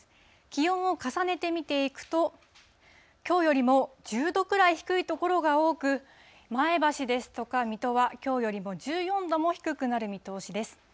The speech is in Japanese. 気温を重ねて見ていくと、きょうよりも１０度くらい低い所が多く、前橋ですとか水戸はきょうよりも１４度も低くなる見通しです。